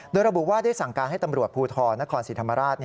โดยระบุว่าได้สั่งการให้ตำรวจภูทรนครศรีธรรมราช